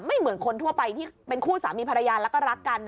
เหมือนคนทั่วไปที่เป็นคู่สามีภรรยาแล้วก็รักกัน